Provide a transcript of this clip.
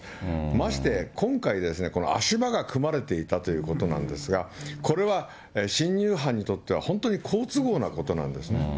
まして、今回、足場が組まれていたということなんですが、これは侵入犯にとっては、本当に好都合なことなんですね。